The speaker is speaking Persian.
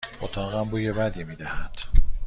اتاقم بوی بدی می دهد.